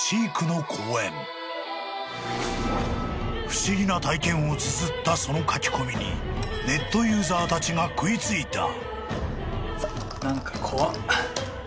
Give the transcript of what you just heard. ［不思議な体験をつづったその書き込みにネットユーザーたちが食い付いた］